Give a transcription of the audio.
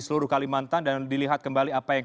seluruh kalimantan dan dilihat kembali apa yang